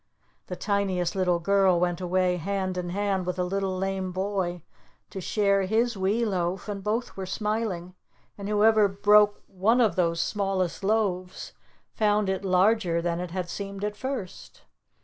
The Tiniest Little Girl went away hand in hand with the Little Lame Boy to share his wee loaf, and both were smiling, and whoever broke one of those smallest loaves found it larger than it had seemed at first.